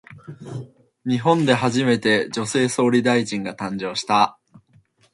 日本で初めて、女性総理大臣が誕生した。